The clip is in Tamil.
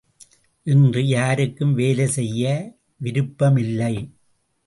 இன்று யாருக்கும் வேலை செய்ய விருப்பமில்லை!